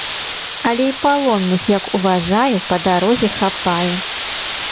Але й палонных, як уважаю, па дарозе хапае.